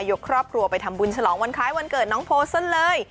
ยกครอบครัวไปทำบุญฉลองวันคล้ายวันเกิดน้องโพสั้นเลย